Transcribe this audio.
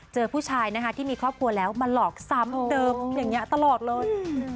เจอผู้ชายนะคะที่มีครอบครัวแล้วมาหลอกซ้ำเดิมอย่างนี้ตลอดเลย